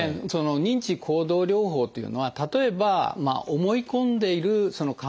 認知行動療法というのは例えば思い込んでいるその考え方